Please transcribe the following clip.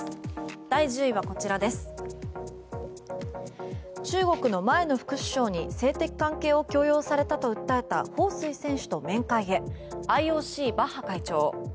第１０位は中国の前の副首相に性的関係を強要されたと訴えたホウ・スイ選手と面会へＩＯＣバッハ会長。